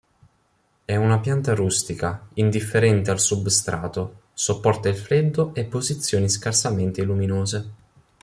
È una pianta rustica, indifferente al substrato, sopporta il freddo e posizioni scarsamente luminose.